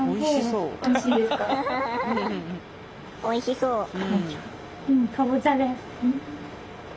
おいしそう。